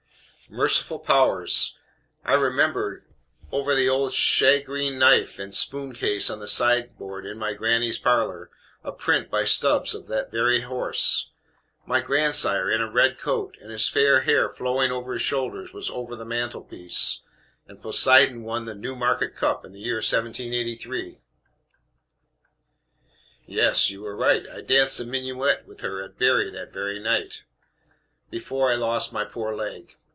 Merciful powers! I remember, over the old shagreen knife and spoon case on the sideboard in my gr nny's parlor, a print by Stubbs of that very horse. My grandsire, in a red coat, and his fair hair flowing over his shoulders, was over the mantelpiece, and Poseidon won the Newmarket Cup in the year 1783! "Yes; you are right. I danced a minuet with her at Bury that very night, before I lost my poor leg.